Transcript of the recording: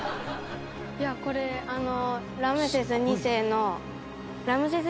いやこれあの。